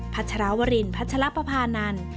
ัชรวรินพัชรปภานันทร์